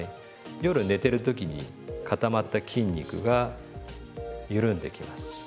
夜寝てる時に固まった筋肉が緩んできます。